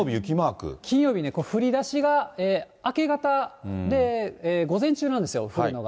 金曜日ね、降りだしが明け方で、午前中なんですよ、降るのが。